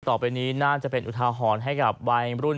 ต่อไปนนี้น่าจะเป็นนุษยฮให้กับวายรุ่น